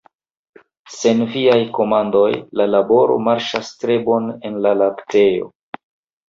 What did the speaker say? Sen viaj komandoj la laboro marŝas tre bone en la laktejo.